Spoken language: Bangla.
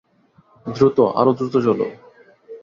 দ্রুত, আরো দ্রুত চলো।